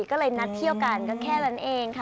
ก็เลยนัดเที่ยวกันก็แค่นั้นเองค่ะ